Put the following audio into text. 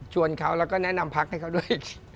เขาแล้วก็แนะนำพักให้เขาด้วย